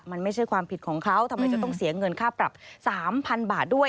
มันไม่ใช่ความผิดของเขาทำไมจะต้องเสียเงินค่าปรับ๓๐๐๐บาทด้วย